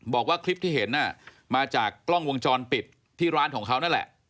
บอกว่าคลิปที่เห็นมาจากกล้องวงจรปิดที่ร้านของเขานั่นแหละ